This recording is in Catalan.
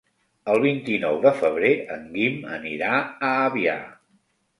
El vint-i-nou de febrer en Guim anirà a Avià.